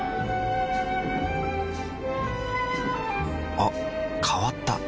あ変わった。